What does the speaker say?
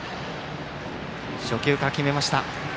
初球から決めました。